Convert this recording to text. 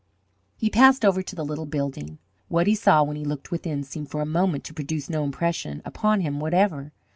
He passed over to the little building. What he saw when he looked within seemed for a moment to produce no impression upon him whatever.